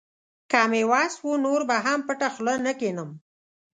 که مې وس و، نور به هم پټه خوله نه کښېنم.